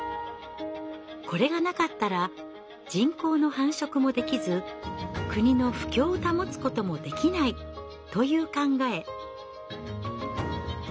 「これがなかったら人口の繁殖もできず国の富強を保つこともできない」という考え。